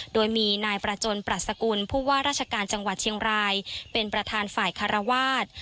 โดยมีนายประจนปรัชกุลผู้ว่าราชการจังหวัดเชียงรายเป็นประธานฝ่ายคารวาส